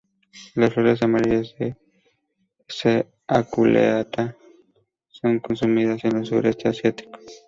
Las flores amarillas de "S. aculeata" son consumidas en el sureste asiático.